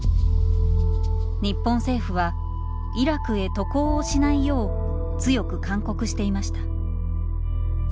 日本政府はイラクへ渡航をしないよう強く勧告していました。